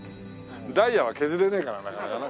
ダイヤは削れねえからなかなかな。